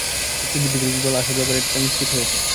শক্তিবৃদ্ধিকারী দল আসার ব্যাপারটা নিশ্চিত হয়েছে।